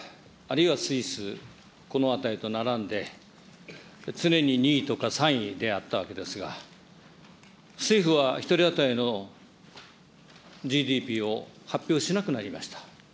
しかしかっては、１人当たりのＧＤＰもルクセンブルクやあるいはスイス、このあたりと並んで、常に２位とか３位であったわけですが、政府は１人当たりのＧＤＰを発表しなくなりました。